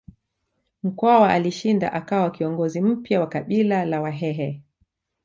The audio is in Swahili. Mkwawa alishinda akawa kiongozi mpya wa kabila la Wahehe